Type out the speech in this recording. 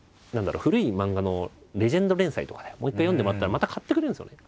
古い漫画のレジェンド連載とかでもう一回読んでもらったらまた買ってくれるんですよね。